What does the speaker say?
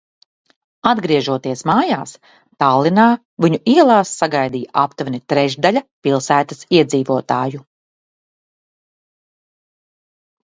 Atgriežoties mājās, Tallinā viņu ielās sagaidīja aptuveni trešdaļa pilsētas iedzīvotāju.